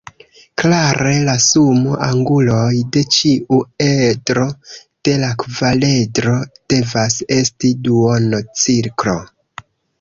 Klare la sumo anguloj de ĉiu edro de la kvaredro devas esti duono-cirklo.